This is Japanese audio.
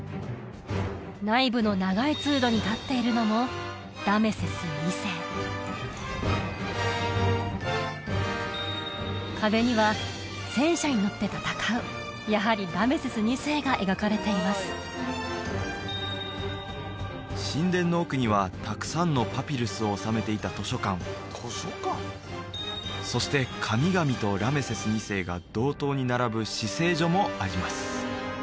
内部の長い通路に立っているのもラメセス２世壁には戦車に乗って戦うやはりラメセス２世が描かれています神殿の奥にはたくさんのパピルスを収めていた図書館そして神々とラメセス２世が同等に並ぶ至聖所もあります